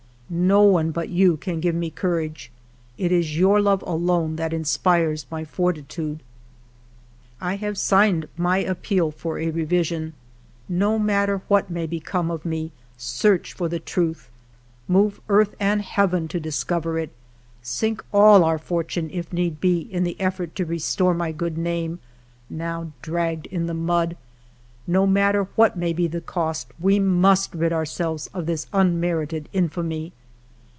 No one but you can give me courage. It is your love alone that inspires my fortitude. " I have signed my appeal for a revision. No matter what may become of me, search for the truth ; move earth and heaven to discover it. Sink all our fortune, if need be, in the effort to restore my good name, now dragged in the mud. No matter what may be the cost, we must rid ourselves of this unmerited infamy.